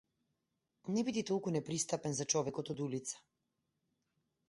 Не биди толку непристапен за човекот од улица.